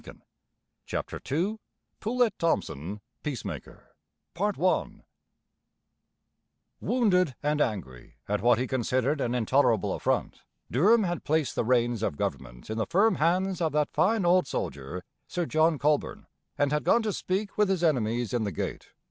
CHAPTER II POULETT THOMSON, PEACEMAKER Wounded and angry at what he considered an intolerable affront, Durham had placed the reins of government in the firm hands of that fine old soldier, Sir John Colborne, and had gone to speak with his enemies in the gate.